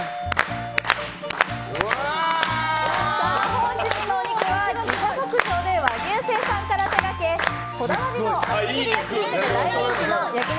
本日のお肉は自社牧場で和牛の生産から手掛けこだわりの厚切り焼き肉で大人気の焼肉